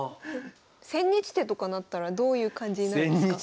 千日手とかなったらどういう感じになるんですか？